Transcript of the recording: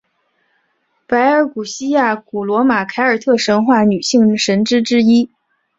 柏尔古希亚古罗马凯尔特神话女性神只之一。